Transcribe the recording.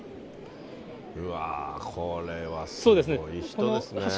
うわー、これはすごい人ですね。